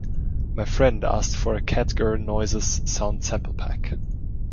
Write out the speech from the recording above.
My friend asked for a cat girl noises sound sample pack.